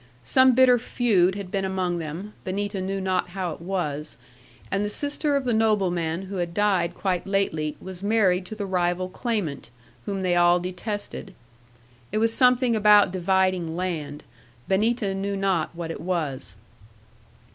Some bitter feud had been among them, Benita knew not how it was; and the sister of the nobleman who had died quite lately was married to the rival claimant, whom they all detested. It was something about dividing land; Benita knew not what it was.